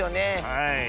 はい。